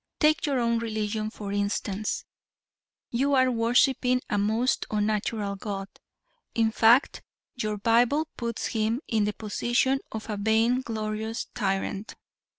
Take your own religion for instance; you are worshiping a most unnatural god. In fact your Bible puts him in the position of a vain glorious tyrant.